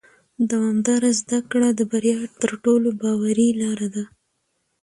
دوامداره زده کړه د بریا تر ټولو باوري لاره ده